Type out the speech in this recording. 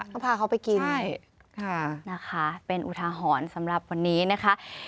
ก็พาเขาไปกินนะคะเป็นอุทาหรณ์สำหรับวันนี้นะคะ